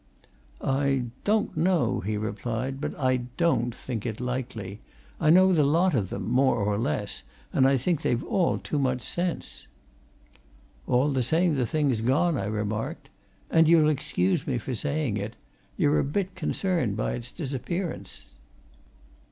"I don't know," he replied. "But I don't think it likely: I know the lot of them, more or less, and I think they've all too much sense." "All the same, the thing's gone," I remarked. "And you'll excuse me for saying it you're a bit concerned by its disappearance."